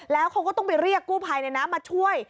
แล้วเขาก็ต้องไปเรียกกู้ภัยมาช่วย